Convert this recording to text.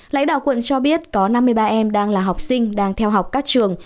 lãnh đạo quận cho biết có năm mươi ba em đang là học sinh đang theo học các trường